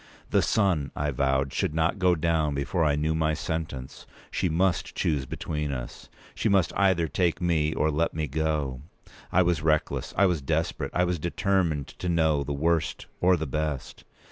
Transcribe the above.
The sun, I vowed, should not go down before I knew my sentence. She must choose between us. She must either take me or let me go. I was reckless. I was desperate. I was determined to know the worst, or the best.